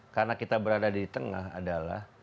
karena kita berada di tengah adalah